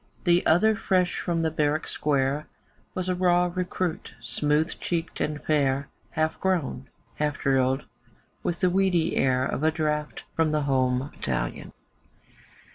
The other, fresh from the barrack square, Was a raw recruit, smooth cheeked and fair Half grown, half drilled, with the weedy air Of a draft from the home battalion.